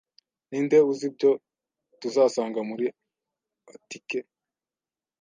Ninde uzi ibyo tuzasanga muri atike?